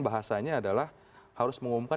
bahasanya adalah harus mengumumkan